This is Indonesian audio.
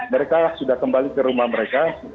mereka sudah kembali ke rumah mereka